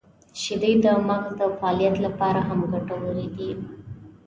• شیدې د مغز د فعالیت لپاره هم ګټورې دي.